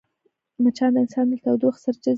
مچان د انسان له تودوخې سره جذبېږي